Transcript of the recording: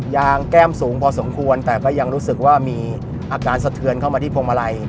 งแก้มสูงพอสมควรแต่ก็ยังรู้สึกว่ามีอาการสะเทือนเข้ามาที่พวงมาลัย